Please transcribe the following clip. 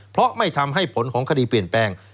เพราะไม่ทำให้ผลของคดีเปลี่ยนแปลง